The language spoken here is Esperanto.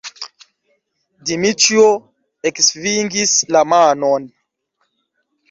Dmiĉjo eksvingis la manon.